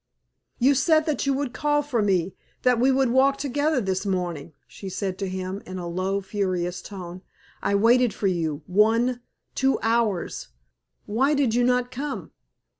"You said that you would call for me that we would walk together this morning," she said to him in a low, furious tone. "I waited for you one, two hours. Why did you not come?"